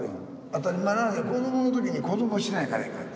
当たり前なのに子どもの時に子どもをしないからいかん。